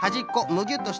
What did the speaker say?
むぎゅっとおす。